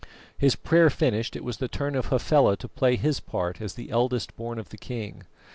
His prayer finished, it was the turn of Hafela to play his part as the eldest born of the king.